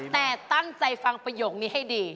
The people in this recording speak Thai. แต่ตั้งใจฟังประโยคนี้ให้ดี